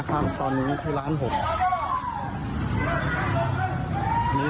เขาบอกว่าเป็นกลุ่มแก๊งฮาเล่